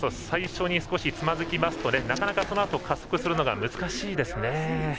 最初に少しつまずきますとそのあと加速するのが難しいですね。